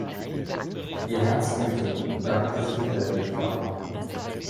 Ihr Herz glühte; dann hatte sie Mitleid mit Clara.